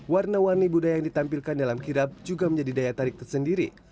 warna warni budaya yang ditampilkan dalam kirap juga menjadi daya tarik tersendiri